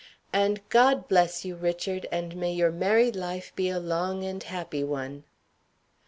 "And God bless you, Richard! and may your married life be a long and happy one."